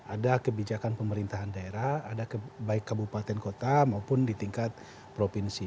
ada kebijakan pemerintahan daerah ada baik kabupaten kota maupun di tingkat provinsi